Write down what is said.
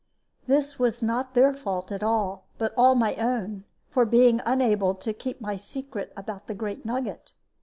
This was not their fault at all, but all my own, for being unable to keep my secret about the great nugget.